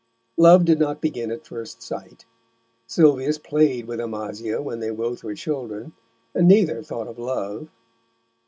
Love did not begin at first sight. Sylvius played with Amasia when they both were children, and neither thought of love.